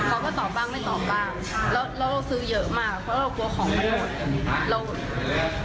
เขาก็ตอบบ้างไม่ตอบบ้างค่ะแล้วเราก็ซื้อเยอะมากเพราะเรากลัวของมันหมดเรา